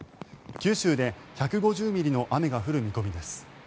九州で１５０ミリの雨が降る見込みです。